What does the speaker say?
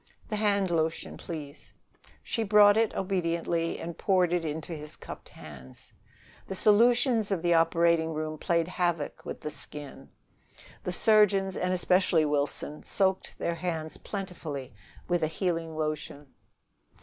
"The hand lotion, please." She brought it obediently and poured it into his cupped hands. The solutions of the operating room played havoc with the skin: the surgeons, and especially Wilson, soaked their hands plentifully with a healing lotion.